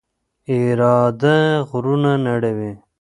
اراده غرونه نړوي.